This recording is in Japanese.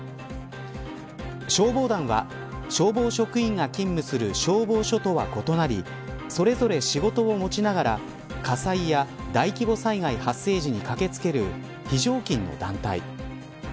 消防団は消防職員が勤務する消防署とは異なりそれぞれ仕事を持ちながら火災や大規模災害発生時に駆け付ける非常勤の団体。